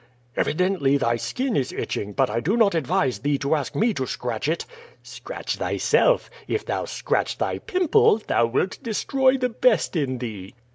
"Evidently thy skin is itching, but I do not advise thee to ask me to scratch it." "Scratch thyself. If thou scratch thy pimple, thou wilt destroy the best in thee."